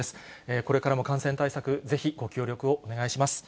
これからも感染対策、ぜひご協力をお願いします。